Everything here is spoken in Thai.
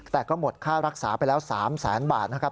แต่ก็หมดค่ารักษาไปแล้ว๓แสนบาทนะครับ